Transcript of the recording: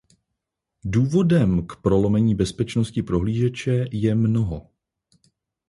Důvodem k prolomení bezpečnosti prohlížeče je mnoho.